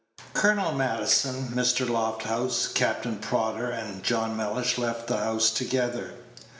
Colonel Maddison, Mr. Lofthouse, Captain Prodder, and John Mellish left the house together.